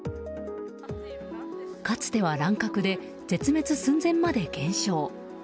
かつては乱獲で絶滅寸前まで減少